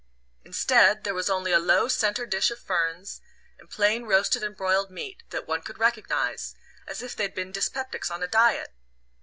Instead, there was only a low centre dish of ferns, and plain roasted and broiled meat that one could recognize as if they'd been dyspeptics on a diet!